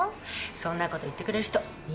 そんなこと言ってくれる人いないよ？